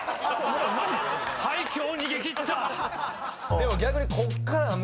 でも逆に。